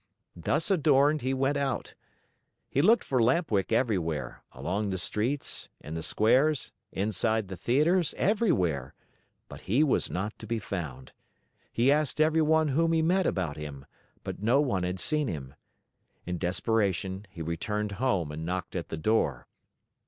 Thus adorned, he went out. He looked for Lamp Wick everywhere, along the streets, in the squares, inside the theatres, everywhere; but he was not to be found. He asked everyone whom he met about him, but no one had seen him. In desperation, he returned home and knocked at the door.